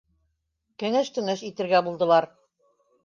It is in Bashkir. Кәңәш-төңәш итергә булдылар.